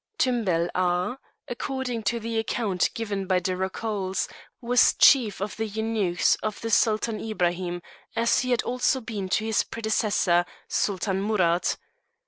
Tumbel Aga, according to the account given by De Rocoles, was chief of the eunuchs to the Sultan Ibrahim, as he had also been to his predecessor, Sultan Amurath.